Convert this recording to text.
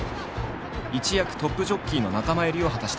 一躍トップジョッキーの仲間入りを果たした。